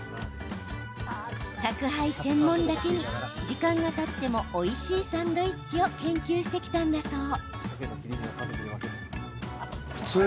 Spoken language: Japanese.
宅配専門だけに、時間がたってもおいしいサンドイッチを研究してきたんだそう。